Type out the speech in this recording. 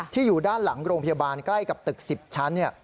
อยู่ด้านหลังโรงพยาบาลใกล้กับตึก๑๐ชั้น